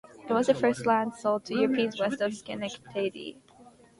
It was the first land sold to Europeans west of Schenectady.